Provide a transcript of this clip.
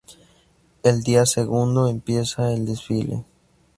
El día segundo, empieza el desfile.